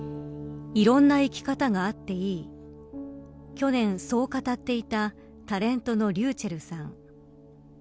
去年そう語っていたタレントのｒｙｕｃｈｅｌｌさん。